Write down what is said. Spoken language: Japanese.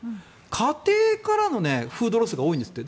家庭からのフードロスが多いんですって。